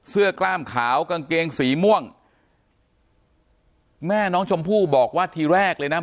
กล้ามขาวกางเกงสีม่วงแม่น้องชมพู่บอกว่าทีแรกเลยนะ